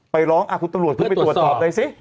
ไปร้องอ่ะคุณตำรวจเพิ่งไปตรวจตอบเลยสิ